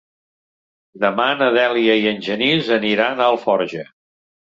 Demà na Dèlia i en Genís aniran a Alforja.